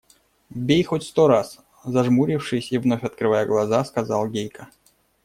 – Бей хоть сто раз, – зажмурившись и вновь открывая глаза, сказал Гейка.